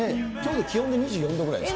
気温２４度くらいですか。